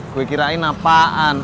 gua kirain apaan